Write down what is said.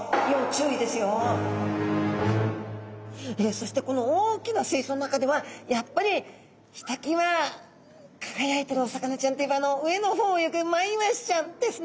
そしてこの大きな水槽の中ではやっぱりひときわ輝いてるお魚ちゃんといえばあの上の方を泳ぐマイワシちゃんですね。